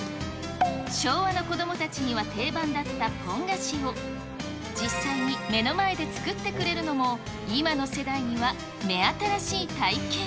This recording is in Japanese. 昭和の子どもたちには定番だったポン菓子を実際に目の前で作ってくれるのも、今の世代には目新しい体験。